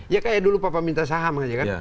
ya kayak dulu papa minta saham aja kan